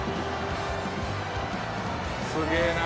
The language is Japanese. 「すげえな！」